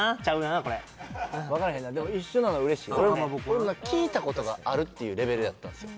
俺も聞いたことがあるっていうレベルやったんですよ